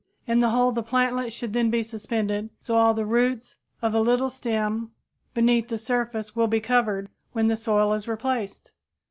In the hole the plantlet should then be suspended so all the roots and a little of the stem beneath the surface will be covered when the soil is replaced.